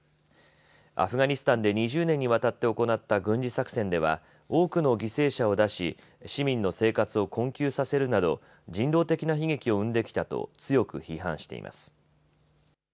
アフガニスタンで２０年にわたって行った軍事作戦では多くの犠牲者を出し市民の生活を困窮させるなど人道的な悲劇を生んできたと強く批判しています。